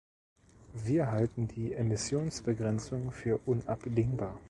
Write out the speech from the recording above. Wir halten die Emissionsbegrenzung für unabdingbar.